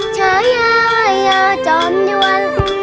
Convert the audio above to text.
เช้ายาวยาวจอมยวน